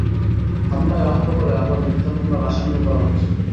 হামলায় আহত করে আবার মিথ্যা মামলার আসামিও করা হচ্ছে।